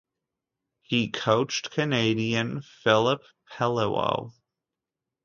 He coached Canadian Filip Peliwo.